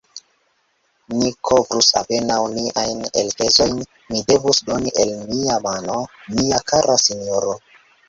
Ni kovrus apenaŭ niajn elspezojn; mi devus doni el mia mono, mia kara sinjoro!